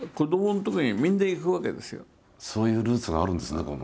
そういうルーツがあるんですねこれも。